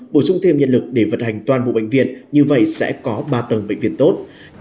bổ sung thêm nhân lực để vận hành toàn bộ bệnh viện như vậy sẽ có ba tầng bệnh viện tốt